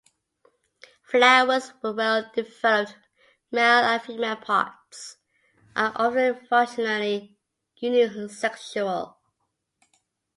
Flowers with well-developed male and female parts are often functionally unisexual.